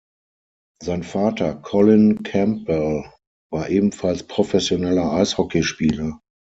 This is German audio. Sein Vater Colin Campbell war ebenfalls professioneller Eishockeyspieler.